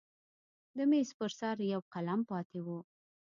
د میز پر سر یو قلم پاتې و.